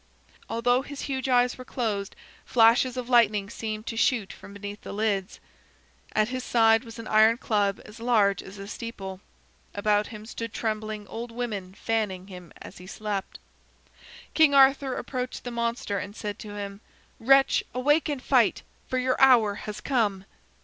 Although his huge eyes were closed, flashes of lightning seemed to shoot from beneath the lids. At his side was an iron club as large as a steeple. About him stood trembling old women fanning him as he slept. King Arthur approached the monster, and said to him: "Wretch, awake and fight, for your hour has come."